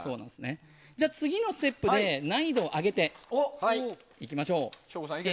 次のステップで難易度を上げていきましょう。